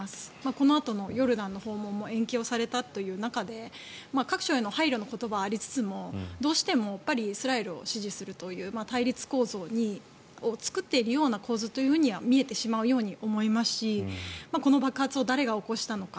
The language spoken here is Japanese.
このあとのヨルダンの訪問も延期されたという中で各所への配慮の言葉はありつつもどうしてもイスラエルを支持するという対立構造を作っているような構図というのは見えてしまうように思いますしこの爆発を誰が起こしたのか。